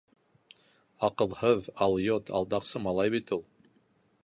Аҡылһыҙ, алйот, алдаҡсы малай бит ул.